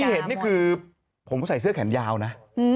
เห็นนี่คือผมใส่เสื้อแขนยาวนะ